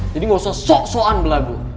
jadi gak usah sok sokan berlagu